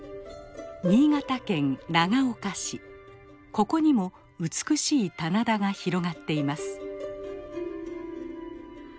ここにも美しい棚田が広がっています。